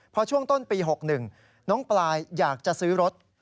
พอช่วงต้นปี๖๑น้องปลายอยากจะซื้อรถ